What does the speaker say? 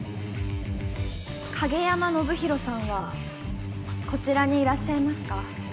影山信博さんはこちらにいらっしゃいますか。